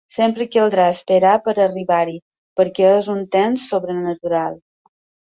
Sempre caldrà esperar per arribar-hi perquè és un temps sobrenatural.